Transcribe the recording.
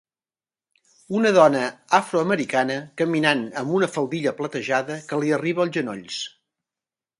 Una dona afroamericana caminant amb una faldilla platejada que li arriba als genolls.